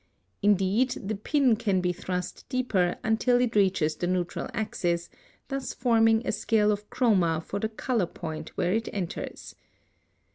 Indeed, the pin can be thrust deeper until it reaches the neutral axis, thus forming a scale of chroma for the color point where it enters (see paragraph 12).